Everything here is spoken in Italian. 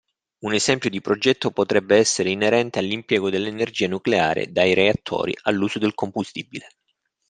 Un esempio di progetto potrebbe essere inerente all'impiego dell'energia nucleare, dai reattori, all'uso del combustibile.